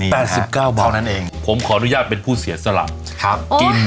แปดสิบเก้าบาทเพราะนั่นเองผมขออนุญาตเป็นผู้เสียสลับ